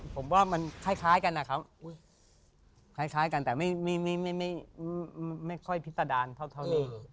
ผมว่ามันคล้ายกันนะครับคล้ายกันแต่ไม่ค่อยพิตาดานเท่านี้